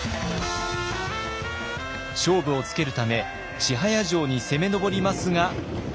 勝負をつけるため千早城に攻め上りますが。